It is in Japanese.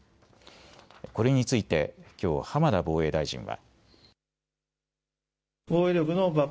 これについてきょう浜田防衛大臣は。